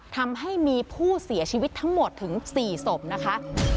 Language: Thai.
ทำให้มีผู้เสียชีวิตทั้งหมดถึง๔ศพนะคะ